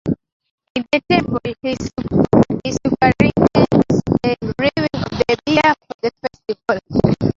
In the temple he superintends the brewing of the beer for the festivals.